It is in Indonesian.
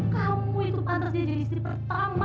kamu itu pantasnya jadi istri pertama